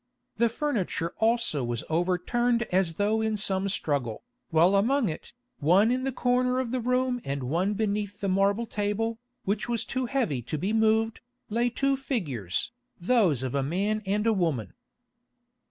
The furniture also was overturned as though in some struggle, while among it, one in the corner of the room and one beneath the marble table, which was too heavy to be moved, lay two figures, those of a man and a woman.